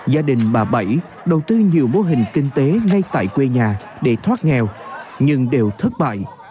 gia đình bà bảy đầu tư nhiều mô hình kinh tế ngay tại quê nhà để thoát nghèo nhưng đều thất bại